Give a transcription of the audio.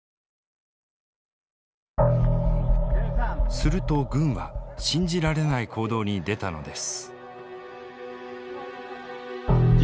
すると軍は信じられない行動に出たのです。